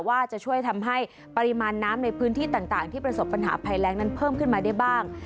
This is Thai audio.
ว่าจะช่วยทำให้ปริมาณน้ำในพื้นที่ต่างที่ประสบปัญหาภัยแรงนั้นเพิ่มขึ้นมาได้บ้าง